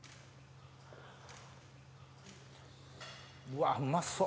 うわうまそう。